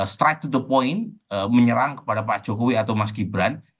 strike to the point menyerang kepada pak jokowi atau mas gibran